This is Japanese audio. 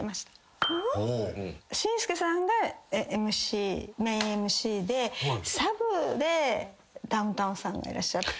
紳助さんがメインＭＣでサブでダウンタウンさんがいらっしゃった。